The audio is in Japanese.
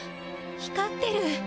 光ってる。